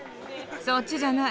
そっちじゃない。